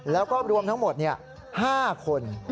แล้วก็รวมทั้งหมด๕คน